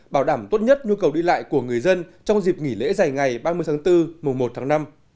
bảo đảm tốt nhất nhu cầu đi lại của người dân trong dịp nghỉ lễ dài ngày ba mươi tháng bốn mùa một tháng năm